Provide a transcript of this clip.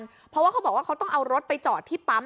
เพราะว่าเขาบอกว่าเขาต้องเอารถไปจอดที่ปั๊ม